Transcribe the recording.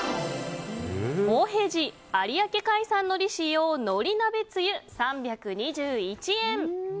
もへじ有明海産海苔使用海苔鍋つゆ、３２１円。